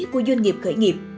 của doanh nghiệp khởi nghiệp